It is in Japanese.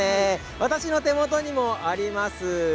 私の手元にもあります。